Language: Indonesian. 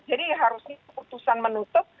jadi harusnya keputusan menutup